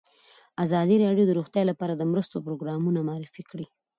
ازادي راډیو د روغتیا لپاره د مرستو پروګرامونه معرفي کړي.